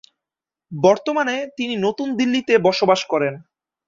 বর্তমানে তিনি নতুন দিল্লিতে বসবাস করেন।